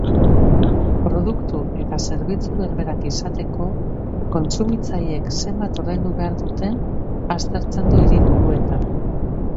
Produktu eta zerbitzu berberak izateko kontsumitzaileek zenbat ordaindu behar duten aztertzen du hiriburuetan.